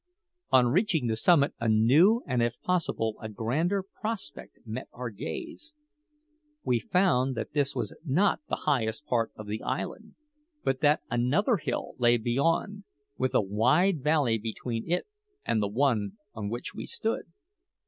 On reaching the summit a new, and if possible a grander, prospect met our gaze. We found that this was not the highest part of the island, but that another hill lay beyond, with a wide valley between it and the one on which we stood.